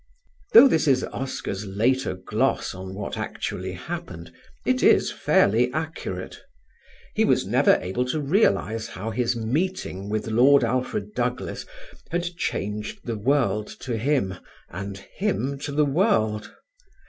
Though this is Oscar's later gloss on what actually happened, it is fairly accurate. He was never able to realise how his meeting with Lord Alfred Douglas had changed the world to him and him to the world.